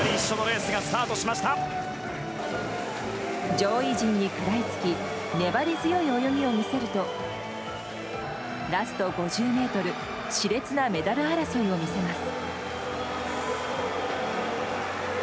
上位陣に食らいつき粘り強い泳ぎを見せるとラスト５０ｍ熾烈なメダル争いを見せます。